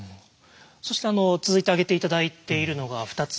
そして続いて挙げて頂いているのが２つ目。